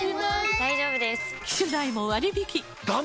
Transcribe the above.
大丈夫です！